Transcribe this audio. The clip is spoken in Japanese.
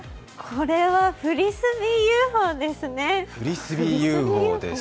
これはフリスビーＵＦＯですね。